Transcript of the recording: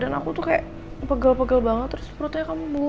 aku tuh kayak pegel pegel banget terus perutnya kamu bumbu